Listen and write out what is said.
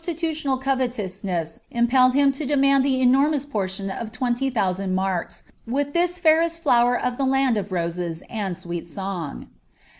dmooil covpiousness impelled him to demand the enormons portion of tntnir tliousnnd inark^, with this (kirest flower of the land of roee^ and aweri song.